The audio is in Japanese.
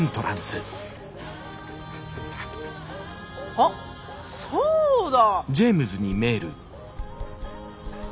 あっそうだ。